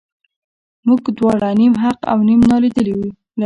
موږ دواړه نیم حق او نیم نالیدلي لرو.